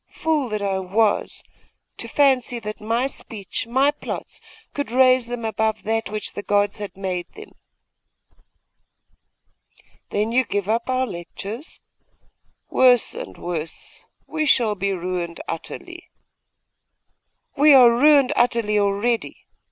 Fool that I was, to fancy that my speech, my plots, could raise them above that which the gods had made them!' 'Then you give up our lectures? Worse and worse! We shall be ruined utterly!' 'We are ruined utterly already.